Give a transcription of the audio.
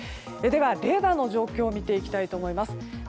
では、レーダーの状況を見ていきます。